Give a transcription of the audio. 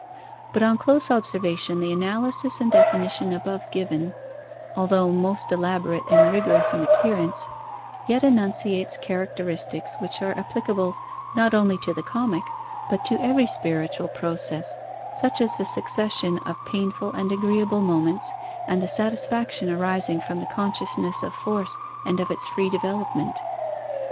But on close observation, the analysis and definition above given, although most elaborate and rigorous in appearance, yet enunciates characteristics which are applicable, not only to the comic, but to every spiritual process; such as the succession of painful and agreeable moments and the satisfaction arising from the consciousness of force and of its free development.